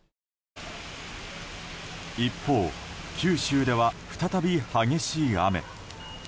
一方、九州では再び激しい雨。